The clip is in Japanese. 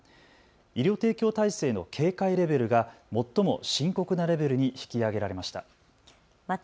医療提供体制の警戒レベルが最も深刻なレベルに引き上げられました。